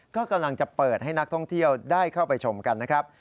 ก็กำลังจะเปิดให้นักท่องเที่ยวได้เข้าไปชมกันนะครับ